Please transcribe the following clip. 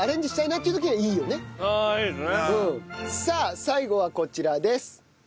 さあ最後はこちらです。